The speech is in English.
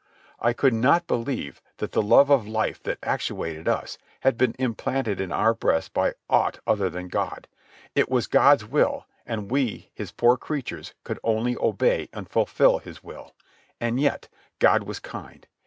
I could not believe that the love of life that actuated us had been implanted in our breasts by aught other than God. It was God's will, and we His poor creatures could only obey and fulfil His will. And yet, God was kind.